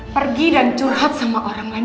pergi dan curhat sama orang lain